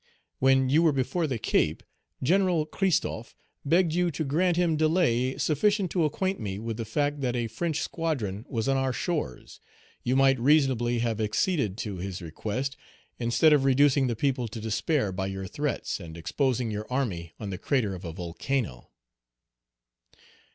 When you were before the Cape, General Christophe begged you to grant him delay sufficient to acquaint me with the fact that a French squadron was on our shores; you might reasonably have acceded to his request, instead of reducing the people to despair by your threats, and exposing your army on the crater of a volcano."